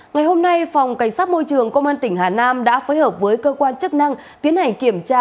ngày hôm nay phòng cảnh sát môi trường công an tp hcm đã phối hợp với cơ quan chức năng tiến hành kiểm tra